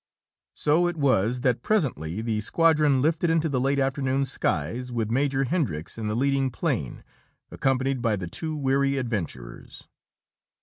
So it was that presently the squadron lifted into the late afternoon skies, with Major Hendricks in the leading plane, accompanied by the two weary adventurers.